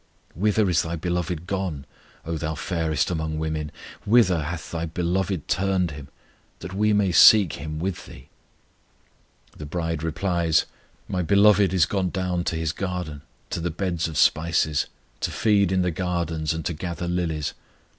Whither is thy Beloved gone, O thou fairest among women? Whither hath thy Beloved turned Him, That we may seek Him with thee? The bride replies: My Beloved is gone down to His garden, to the beds of spices, To feed in the gardens, and to gather lilies.